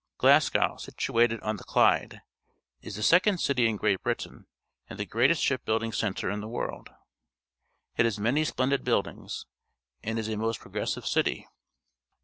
Glasgoic, situated on the Clyde, is the second city in Great Britain and the greatest shig buildiiig centre in the world. It has many splendid buildings and is a most progressive city.